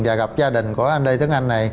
và gặp gia đình của anh lê tấn anh này